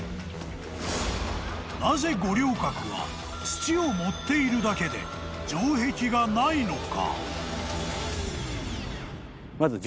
［なぜ五稜郭は土を盛っているだけで城壁がないのか］